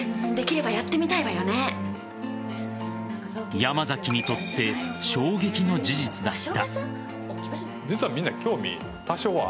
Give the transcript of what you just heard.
山崎にとって衝撃の事実だった。